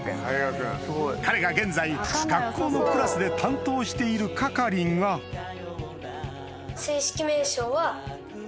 彼が現在学校のクラスで担当している係がえ！